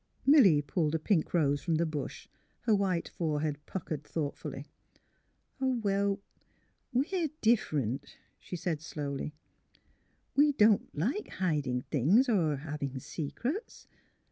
Milly pulled a pink rose from the bush, her white forehead puckered thoughtfully. " Oh, well, we're — different," she said, slowly; '^ we don't like — hiding things or having secrets.